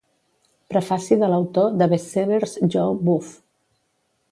Prefaci de l'autor de best sellers Joe Buff.